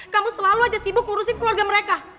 kamu selalu aja sibuk ngurusin keluarga mereka